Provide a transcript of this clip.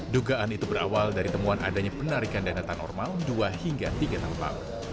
dugaan itu berawal dari temuan adanya penarikan dana tanormal dua hingga tiga tempat